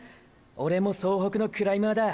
オレも総北のクライマーだ。